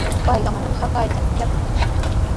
Payqa manami haka aychata yatranku.